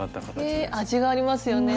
味がありますよね。